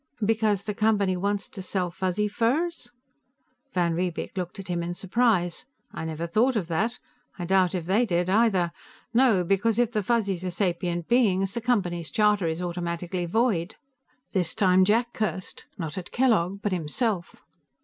"Because the Company wants to sell Fuzzy furs?" Van Riebeek looked at him in surprise. "I never thought of that. I doubt if they did, either. No. Because if the Fuzzies are sapient beings, the Company's charter is automatically void." This time Jack cursed, not Kellogg but himself.